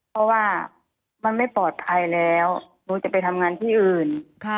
เพราะว่ามันไม่ปลอดภัยแล้วหนูจะไปทำงานที่อื่น